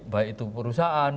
baik itu perusahaan